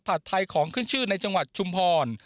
ไทยของขึ้นชื่อในจังหวัดชุมพร